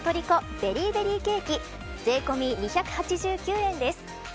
ベリーベリーケーキ税込み２８９円です。